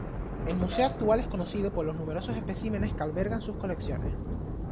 El museo actual es conocido por los numerosos especímenes que alberga en sus colecciones.